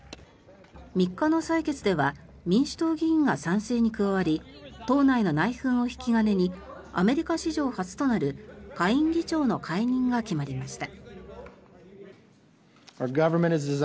３日の採決では民主党議員が賛成に加わり党内の内紛を引き金にアメリカ史上初となる下院議長の解任が決まりました。